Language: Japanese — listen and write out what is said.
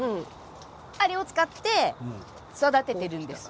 あれを使って育てているんです。